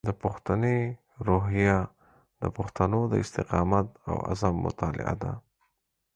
د پښتني روحیه د پښتنو د استقامت او عزم مطالعه ده.